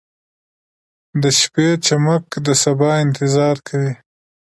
• د شپې چمک د سبا انتظار کوي.